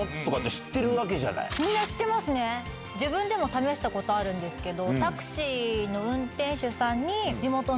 自分でも試したことあるんですけど。